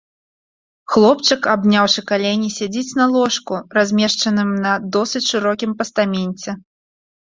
Хлопчык, абняўшы калені, сядзіць на ложку, размешчаным на досыць шырокім пастаменце.